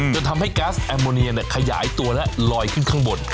จนทำให้ก๊าซแอมโมเนียขยายตัวและลอยขึ้นข้างบน